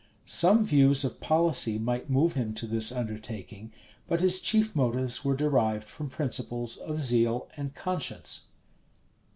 Some views of policy might move him to this undertaking; but his chief motives were derived from principles of zeal and conscience.